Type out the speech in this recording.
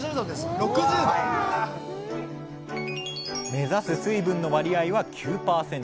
目指す水分の割合は９％。